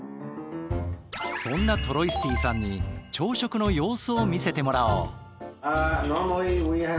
そんなトロイスティさんに朝食の様子を見せてもらおう。